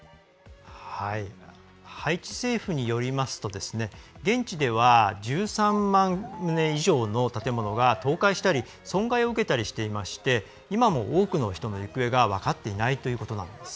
ハイチ政府によりますと１３万棟以上の建物が倒壊したり損害を受けたりしていまして今も多くの人の行方が分かっていないということです。